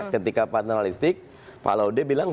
ketika panelistik pak laude bilang